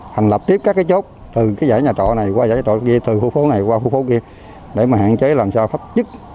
hành lập tiếp các cái chốt từ cái giải nhà trọ này qua giải nhà trọ kia từ khu phố này qua khu phố kia để mà hạn chế làm sao pháp chức